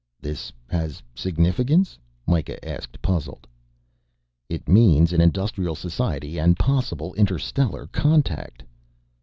"This has significance?" Mikah asked, puzzled. "It means an industrial society, and possible interstellar contact."